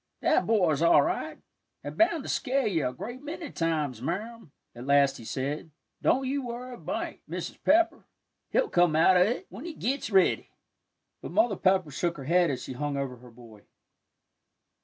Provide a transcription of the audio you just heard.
"That boy's all right, and bound to scare ye a great many times, Marm," at last he said. "Don't you worry a mite, Mrs. Pepper, he'll come out o' it, when he gits ready." But Mother Pepper shook her head as she hung over her boy.